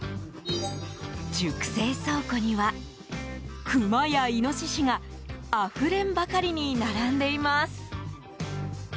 熟成倉庫にはクマやイノシシがあふれんばかりに並んでいます。